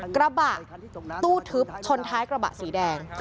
กระบะตู้ทึบชนท้ายกระบะสีแดง